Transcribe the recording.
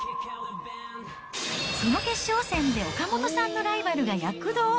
その決勝戦で岡本さんのライバルが躍動。